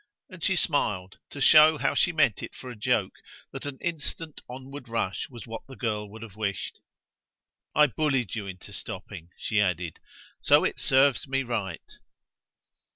And she smiled to show how she meant it for a joke that an instant onward rush was what the girl would have wished. "I bullied you into stopping," she added; "so it serves me right."